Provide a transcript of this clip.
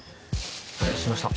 お待たせしました。